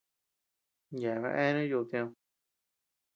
Yeabean eanu yudu tïd.